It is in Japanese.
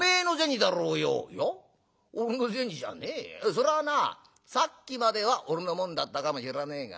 そらぁなさっきまでは俺のもんだったかもしらねえがな。